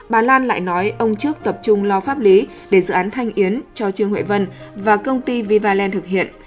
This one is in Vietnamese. bà lan lại nói ông trước tập trung lo pháp lý để dự án thanh yến cho trương huệ vân và công ty vivaland thực hiện